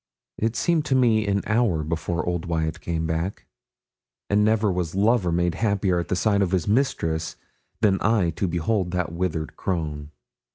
It seemed to me an hour before old Wyat came back; and never was lover made happier at sight of his mistress than I to behold that withered crone.